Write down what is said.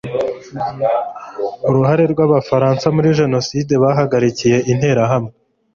uruhare rw'abafaransa muri jenoside bahagarikiye interahamwe